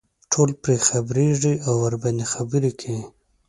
ټول پرې خبرېږي او ورباندې خبرې کوي.